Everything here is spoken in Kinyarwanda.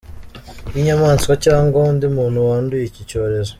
y’inyamaswa cyangwa undi muntu wanduye iki cyorezo.